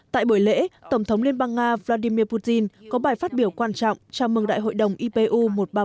tại buổi lễ tổng thống liên bang nga vladimir putin có bài phát biểu quan trọng chào mừng đại hội đồng ipu một trăm ba mươi bảy